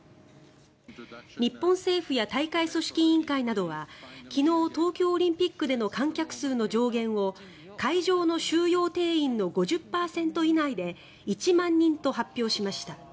日本政府や大会組織委員会などは昨日東京オリンピックでの観客数の上限を会場の収容定員の５０％以内で１万人と発表しました。